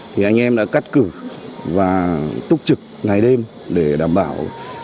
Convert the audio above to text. thì anh em đã cắt cử và túc trực ngày đêm để đảm bảo